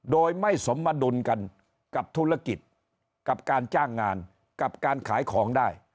โดยไม่สมดุลกันกับธุรกิจกับการจ้างงานกับการขายของได้